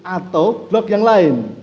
atau glock yang lain